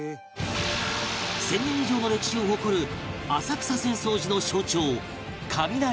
１０００年以上の歴史を誇る浅草浅草寺の象徴雷門